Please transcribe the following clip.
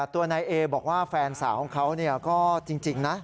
ตัวนายเอบอกว่าแฟนสาวของเขาก็จริงนะ